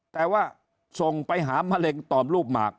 แต่ว่าส่งไปหามะเร็งตอมลูกหมาก